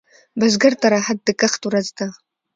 بزګر ته راحت د کښت ورځ ده